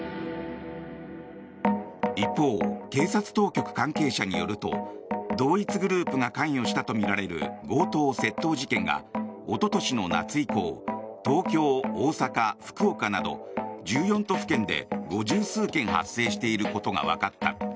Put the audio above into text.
一方、警察当局関係者によると同一グループが関与したとみられる強盗・窃盗事件がおととしの夏以降東京、大阪、福岡など１４都府県で５０数件発生していることがわかった。